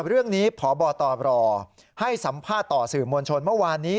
พบตรให้สัมภาษณ์ต่อสื่อมวลชนเมื่อวานนี้